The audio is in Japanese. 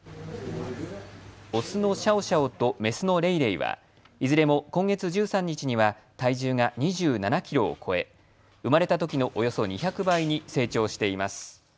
オスのシャオシャオとメスのレイレイはいずれも今月１３日には体重が２７キロを超え、生まれたときのおよそ２００倍に成長しています。